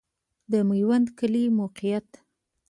د میوند کلی موقعیت